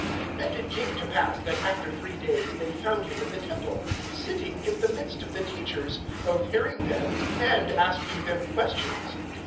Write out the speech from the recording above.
(46)And it came to pass, that after three days they found him in the temple, sitting in the midst of the teachers, both hearing them, and asking them questions.